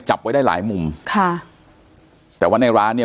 จับไว้ได้หลายมุมค่ะแต่ว่าในร้านเนี้ย